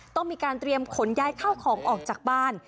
ต้องมีการเตรียมขนย้ายข้าวของออกจากบ้าน